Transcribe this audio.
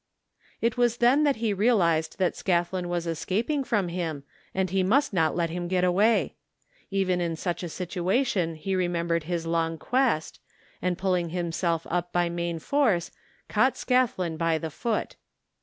It was then that he realized that Scathlin was escaping from him and he must not let him get away. Even in such a situation he remembered his long quest, and pulling himself up by main force, caught Scathlin 131 THE FINDING OF JASPER HOLT by the foot.